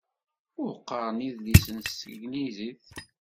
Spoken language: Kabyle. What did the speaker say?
Ur qqaren idlisen s tanglizit.